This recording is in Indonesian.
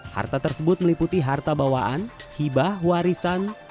harta tersebut meliputi harta bawaan hibah warisan